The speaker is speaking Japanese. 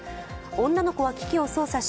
女の子は機器を操作し